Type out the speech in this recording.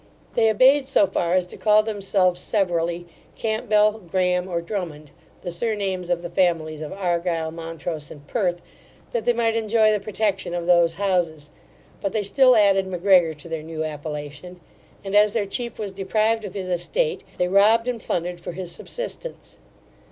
They obeyed so far, as to call themselves severally Campbell, Graham, or Drummond, the surnames of the families of Argyle, Montrose, and Perth, that they might enjoy the protection of those houses; but they still added M'Gregor to their new appellation; and as their chief was deprived of his estate, they robbed and plundered for his subsistence.